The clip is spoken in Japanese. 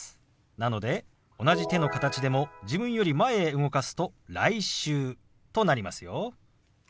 なので同じ手の形でも自分より前へ動かすと「来週」となりますよ。